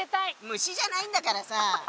虫じゃないんだからさ。